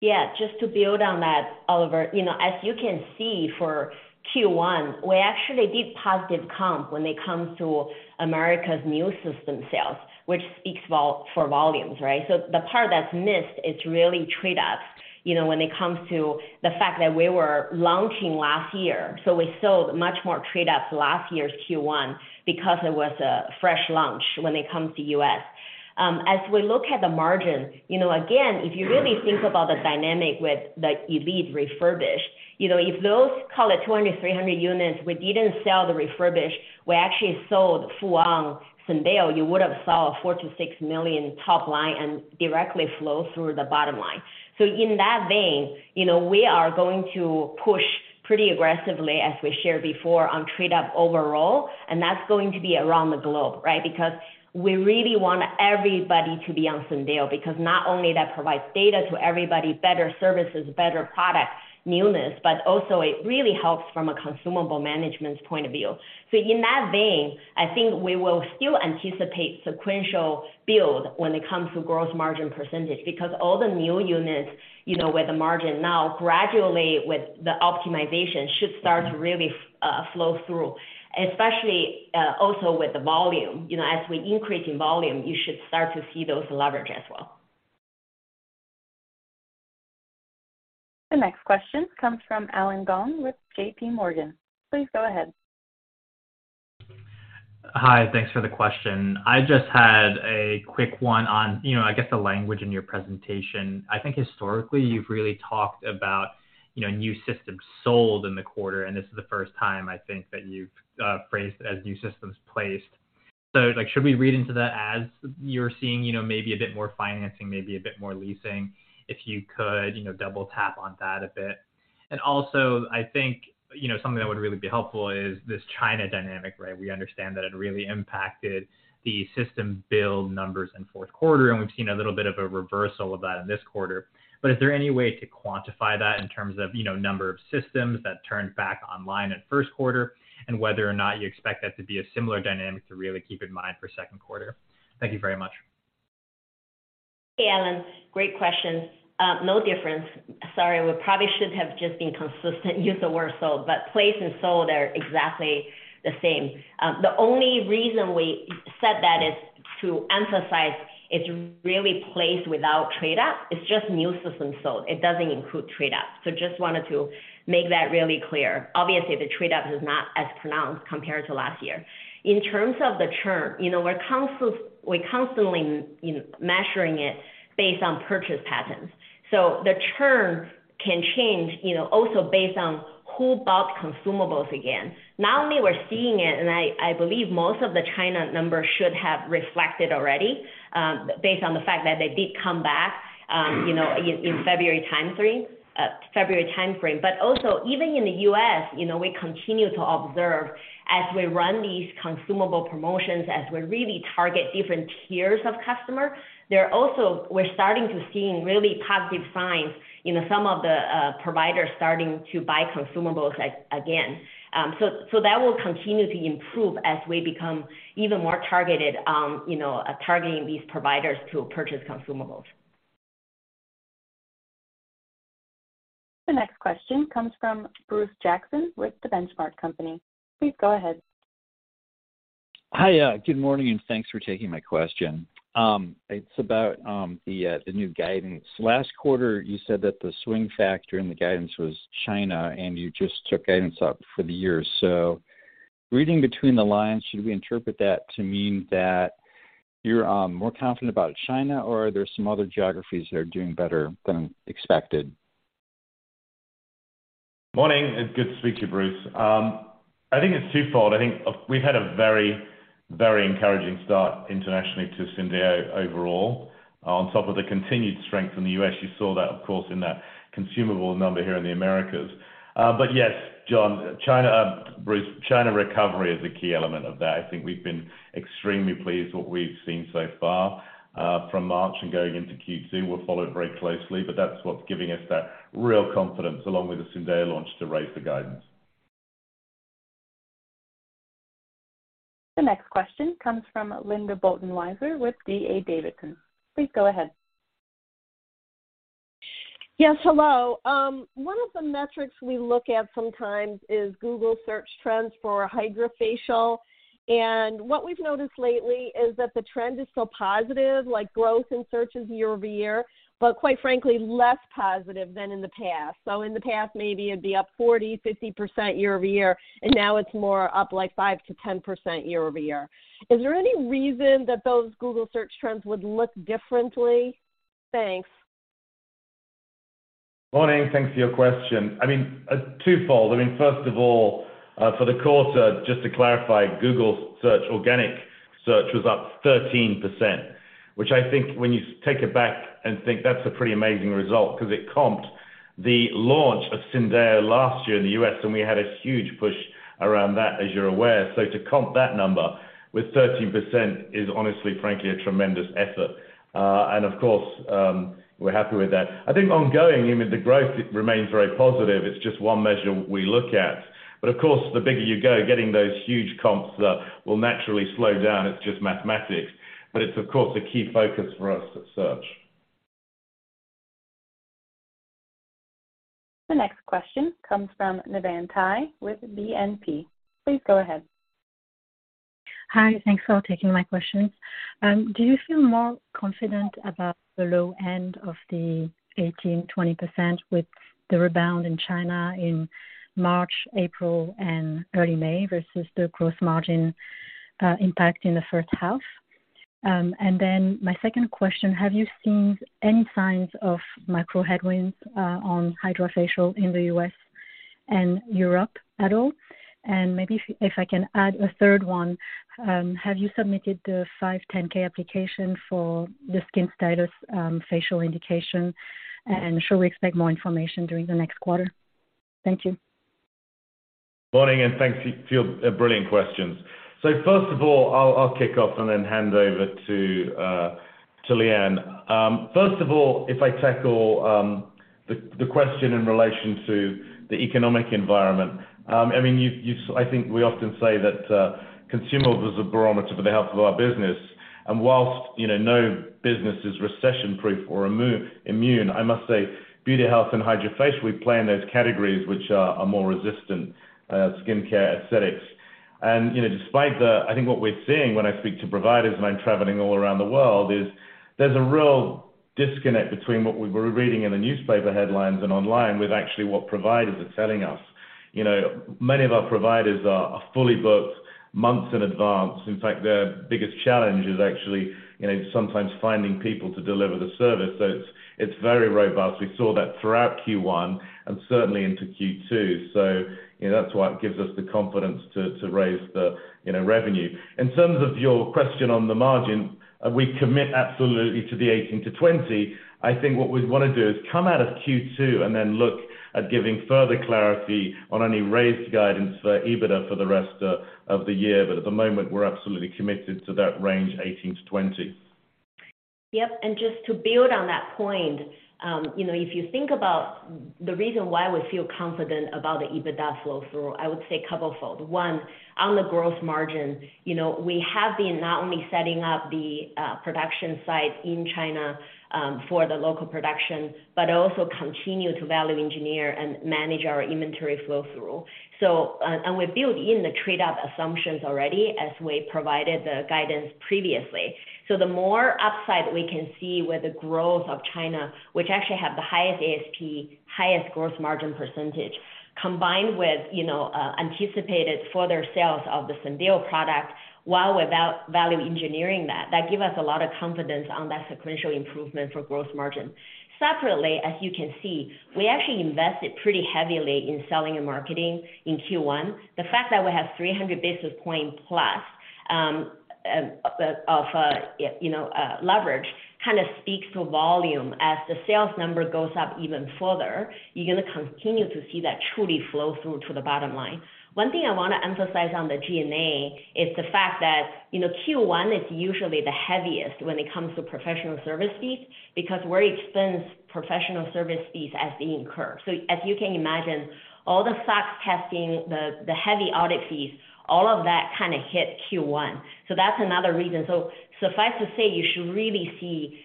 Yeah. Just to build on that, Oliver, you know, as you can see for Q1, we actually did positive comp when it comes to America's new system sales, which speaks for volumes, right? The part that's missed is really trade-ups. You know, when it comes to the fact that we were launching last year, we sold much more trade-ups last year's Q1 because it was a fresh launch when it comes to U.S. As we look at the margins, you know, again, if you really think about the dynamic with the Elite refurbished, you know, if those call it 200, 300 units, we didn't sell the refurbished, we actually sold full on Syndeo, you would have saw a $4 million-$6 million top line and directly flow through the bottom line. In that vein, you know, we are going to push pretty aggressively, as we shared before, on trade up overall. That's going to be around the globe, right? Because we really want everybody to be on Syndeo, because not only that provides data to everybody, better services, better product newness, but also it really helps from a consumable management point of view. In that vein, I think we will still anticipate sequential build when it comes to gross margin percentage, because all the new units, you know, with the margin now gradually with the optimization should start to really flow through, especially also with the volume. You know, as we increase in volume, you should start to see those leverage as well. The next question comes from Allen Gong with JPMorgan. Please go ahead. Hi. Thanks for the question. I just had a quick one on, you know, I guess the language in your presentation. I think historically you've really talked about, you know, new systems sold in the quarter, and this is the first time I think that you've phrased it as new systems placed. Like, should we read into that as you're seeing, you know, maybe a bit more financing, maybe a bit more leasing? If you could, you know, double tap on that a bit. Also I think, you know, something that would really be helpful is this China dynamic, right? We understand that it really impacted the system build numbers in fourth quarter, and we've seen a little bit of a reversal of that in this quarter. Is there any way to quantify that in terms of, you know, number of systems that turned back online at first quarter, and whether or not you expect that to be a similar dynamic to really keep in mind for second quarter? Thank you very much. Allen, great questions. No difference. Sorry, we probably should have just been consistent, use the word sold. Placed and sold are exactly the same. The only reason we said that is to emphasize it's really placed without trade up. It's just new system sold. It doesn't include trade up. Just wanted to make that really clear. Obviously, the trade up is not as pronounced compared to last year. In terms of the churn, you know, we're constantly, you know, measuring it based on purchase patterns. The churn can change, you know, also based on who bought consumables again. Not only we're seeing it, and I believe most of the China numbers should have reflected already, based on the fact that they did come back, you know, in February time frame. Also even in the U.S., you know, we continue to observe as we run these consumable promotions, as we really target different tiers of customers, we're starting to seeing really positive signs in some of the providers starting to buy consumables again. So that will continue to improve as we become even more targeted, you know, targeting these providers to purchase consumables. The next question comes from Bruce Jackson with The Benchmark Company. Please go ahead. Hi, good morning, and thanks for taking my question. It's about the new guidance. Last quarter, you said that the swing factor in the guidance was China, and you just took guidance up for the year. Reading between the lines, should we interpret that to mean that you're more confident about China or are there some other geographies that are doing better than expected? Morning. It's good to speak to you, Bruce. I think it's two-fold. I think we had a very, very encouraging start internationally to Syndeo overall, on top of the continued strength in the U.S. You saw that, of course, in that consumable number here in the Americas. Yes, Bruce, China recovery is a key element of that. I think we've been extremely pleased what we've seen so far from March and going into Q2. We'll follow it very closely, but that's what's giving us that real confidence along with the Syndeo launch to raise the guidance. The next question comes from Linda Bolton Weiser with D.A. Davidson. Please go ahead. Yes, hello. One of the metrics we look at sometimes is Google search trends for HydraFacial. what we've noticed lately is that the trend is still positive, like growth in searches year-over-year, but quite frankly, less positive than in the past. in the past, maybe it'd be up 40%, 50% year-over-year, and now it's more up like 5%-10% year-over-year. Is there any reason that those Google search trends would look differently? Thanks. Morning, thanks for your question. I mean, two-fold. I mean, first of all, for the quarter, just to clarify, Google search, organic search was up 13%, which I think when you take it back and think that's a pretty amazing result because it comped the launch of Syndeo last year in the U.S., we had a huge push around that, as you're aware. To comp that number with 13% is honestly, frankly, a tremendous effort. Of course, we're happy with that. I think ongoing, even the growth remains very positive. It's just one measure we look at. Of course, the bigger you go, getting those huge comps up will naturally slow down. It's just mathematics. It's, of course, a key focus for us at search. The next question comes from Navann Ty with BNP. Please go ahead. Hi, thanks for taking my questions. Do you feel more confident about the low end of the 18%, 20% with the rebound in China in March, April, and early May versus the gross margin impact in the first half? My second question, have you seen any signs of macro headwinds on HydraFacial in the U.S. and Europe at all? Maybe if I can add a third one, have you submitted the 510(k) application for the SkinStylus facial indication? Should we expect more information during the next quarter? Thank you. Morning. Thanks for your brilliant questions. First of all, I'll kick off and then hand over to Liyuan. First of all, if I tackle the question in relation to the economic environment, I mean, you've. I think we often say that consumer was a barometer for the health of our business. Whilst, you know, no business is recession-proof or immune, I must say beauty, health, and HydraFacial, we play in those categories which are more resistant, skincare aesthetics. You know, despite the. I think what we're seeing when I speak to providers when I'm traveling all around the world is there's a real disconnect between what we're reading in the newspaper headlines and online with actually what providers are telling us. You know, many of our providers are fully booked months in advance. In fact, their biggest challenge is actually, you know, sometimes finding people to deliver the service. It's very robust. We saw that throughout Q1 and certainly into Q2. You know, that's why it gives us the confidence to raise the, you know, revenue. In terms of your question on the margin, we commit absolutely to the 18%-20%. I think what we'd wanna do is come out of Q2 and then look at giving further clarity on any raised guidance for EBITDA for the rest of the year. At the moment, we're absolutely committed to that range, 18%-20%. Yep. Just to build on that point, you know, if you think about the reason why we feel confident about the EBITDA flow through, I would say couple fold. One, on the gross margin, you know, we have been not only setting up the production site in China for the local production, but also continue to value engineer and manage our inventory flow through. We build in the trade-up assumptions already as we provided the guidance previously. The more upside we can see with the growth of China, which actually have the highest ASP, highest gross margin percentage, combined with, you know, anticipated further sales of the Syndeo product, while without value engineering that give us a lot of confidence on that sequential improvement for gross margin. Separately, as you can see, we actually invested pretty heavily in selling and marketing in Q1. The fact that we have 300 basis point plus of, you know, leverage, kind of speaks to volume. As the sales number goes up even further, you're going to continue to see that truly flow through to the bottom line. One thing I want to emphasize on the G&A is the fact that, you know, Q1 is usually the heaviest when it comes to professional service fees because we expense professional service fees as they incur. As you can imagine, all the SOX testing, the heavy audit fees, all of that kind of hit Q1. That's another reason. Suffice to say, you should really see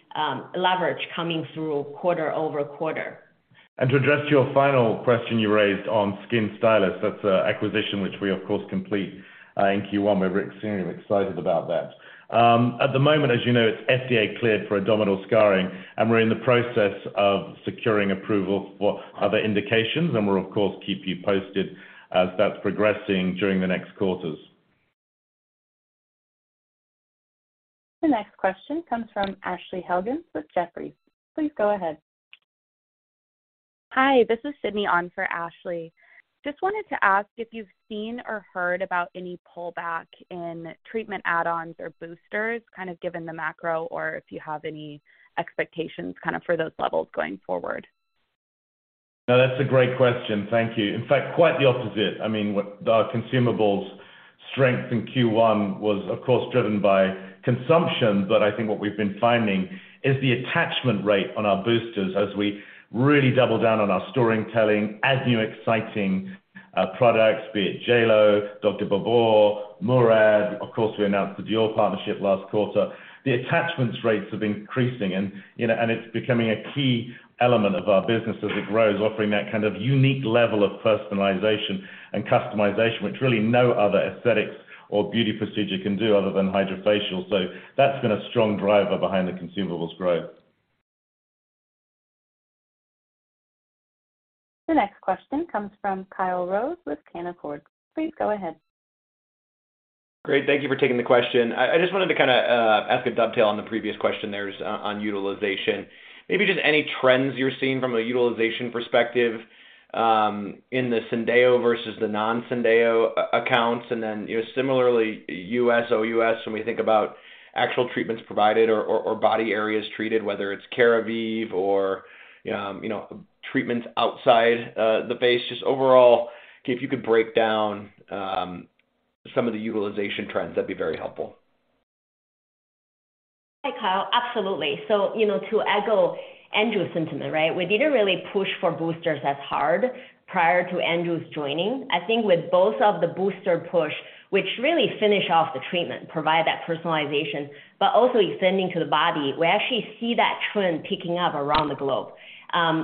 leverage coming through quarter-over-quarter. To address your final question you raised on SkinStylus, that's a acquisition which we of course complete in Q1. We're extremely excited about that. At the moment, as you know, it's FDA cleared for abdominal scarring, and we're in the process of securing approval for other indications, and we'll of course, keep you posted as that's progressing during the next quarters. The next question comes from Ashley Helgans with Jefferies. Please go ahead. Hi, this is Sydney on for Ashley. Just wanted to ask if you've seen or heard about any pullback in treatment add-ons or boosters, kind of given the macro, or if you have any expectations kind of for those levels going forward? No, that's a great question. Thank you. In fact, quite the opposite. I mean, the consumables strength in Q1 was, of course, driven by consumption, but I think what we've been finding is the attachment rate on our boosters as we really double down on our storytelling, add new exciting products, be it JLo, DOCTOR BABOR, Murad. Of course, we announced the Dior partnership last quarter. The attachments rates have been increasing and, you know, and it's becoming a key element of our business as it grows, offering that kind of unique level of personalization and customization, which really no other aesthetics or beauty procedure can do other than HydraFacial. That's been a strong driver behind the consumables growth. The next question comes from Kyle Rose with Canaccord. Please go ahead. Great. Thank you for taking the question. I just wanted to kinda ask a dovetail on the previous question there on utilization. Maybe just any trends you're seeing from a utilization perspective, in the Syndeo versus the non-Syndeo accounts, and then, you know, similarly U.S., OUS, when we think about actual treatments provided or body areas treated, whether it's Keravive or, you know, treatments outside the face. Just overall, if you could break down some of the utilization trends, that'd be very helpful. Hi, Kyle. Absolutely. You know, to echo Andrew's sentiment, right? We didn't really push for boosters as hard prior to Andrew's joining. I think with both of the booster push, which really finish off the treatment, provide that personalization, but also extending to the body, we actually see that trend picking up around the globe.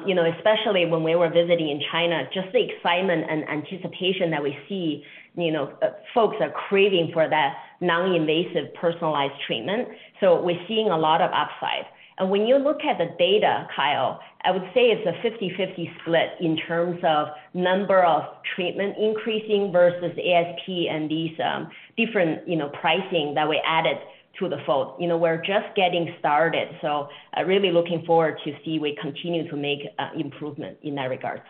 You know, especially when we were visiting in China, just the excitement and anticipation that we see, you know, folks are craving for that non-invasive, personalized treatment. We're seeing a lot of upside. When you look at the data, Kyle, I would say it's a 50/50 split in terms of number of treatment increasing versus ASP and these different, you know, pricing that we added to the fold. You know, we're just getting started, so, really looking forward to see we continue to make, improvement in that regard.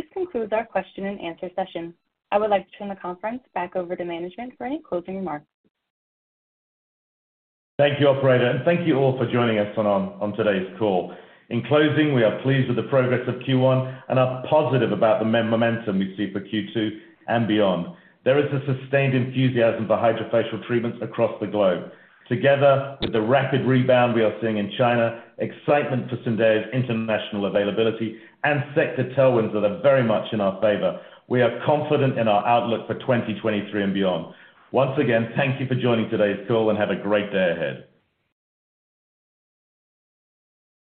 This concludes our question and answer session. I would like to turn the conference back over to management for any closing remarks. Thank you, operator, and thank you all for joining us on today's call. In closing, we are pleased with the progress of Q1 and are positive about the momentum we see for Q2 and beyond. There is a sustained enthusiasm for HydraFacial treatments across the globe. Together with the rapid rebound we are seeing in China, excitement for Syndeo's international availability and sector tailwinds that are very much in our favor, we are confident in our outlook for 2023 and beyond. Once again, thank you for joining today's call, and have a great day ahead.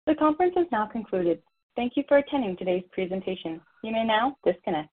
The conference has now concluded. Thank you for attending today's presentation. You may now disconnect.